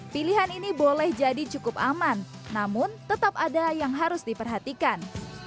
pilihan ini boleh jadi cukup aman namun tetap ada yang harus diperhatikan